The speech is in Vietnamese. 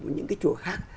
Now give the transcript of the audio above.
mà những cái chùa khác